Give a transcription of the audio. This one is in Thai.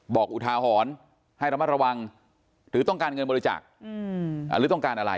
อุทาหรณ์ให้ระมัดระวังหรือต้องการเงินบริจาคหรือต้องการอะไร